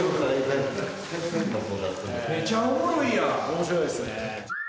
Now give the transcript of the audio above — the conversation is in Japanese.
面白いですね。